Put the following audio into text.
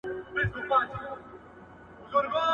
• شناخت به کوو، کور ته به نه سره ځو.